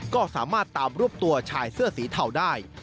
ก็สามารถตามรวบตัวชายเสื้อสีเทาได้